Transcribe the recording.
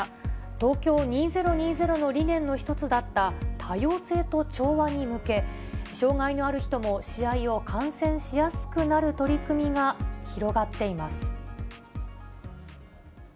東京２０２０の理念の一つだった多様性と調和に向け、障がいのある人も試合を観戦しやすくなる取り組みが広がっています。